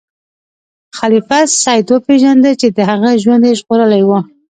خلیفه سید وپیژنده چې د هغه ژوند یې ژغورلی و.